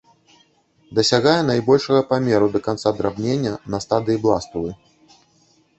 Дасягае найбольшага памеру да канца драбнення, на стадыі бластулы.